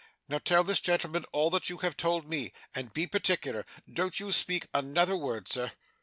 Now, tell this gentleman all that you told me; and be particular. Don't you speak another word, Sir.